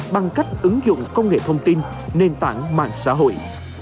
bằng cách ứng dụng công nghệ thông tin nền tảng mạng xã hội